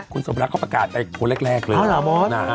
คุณสมรักษ์จะประกาศไปพอแรกเครื่องหมด